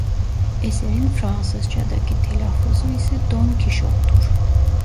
Eserin Fransızca'daki telaffuzu ise Don Kişot'tur.